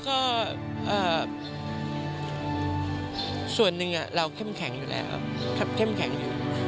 ก็ส่วนหนึ่งเราเข้มแข็งอยู่แล้วเข้มแข็งอยู่